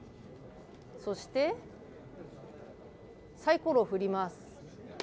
そして、サイコロを振ります。